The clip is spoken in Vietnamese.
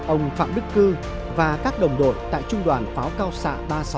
ông phạm đức cư và các đồng đội tại trung đoàn pháo cao xạ ba trăm sáu mươi tám